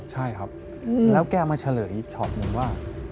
ใช่ครับแล้วแกมาเฉลยชอตนึงว่า